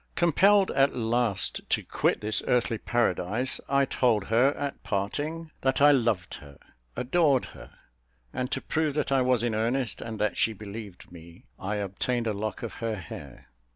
Compelled at last to quit this earthly paradise, I told her, at parting, that I loved her, adored her; and to prove that I was in earnest, and that she believed me, I obtained a lock of her hair.